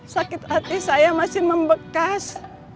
sakit hati saya masih membekas